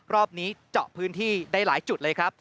รอบนี้เจาะพื้นที่ได้หลายจุดเลยครับ